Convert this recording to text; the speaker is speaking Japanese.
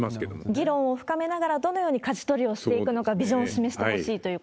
議論を深めながら、どのようにかじ取りをしていくのか、ビジョンを示してほしいとい